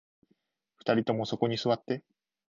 二人ともそこに座って